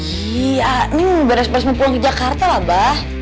iya neng beres beres mau pulang ke jakarta lah abah